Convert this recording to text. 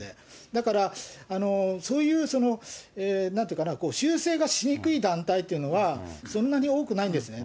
だから、そういう、なんて言うかな、修正がしにくい団体というのはそんなに多くないんですね。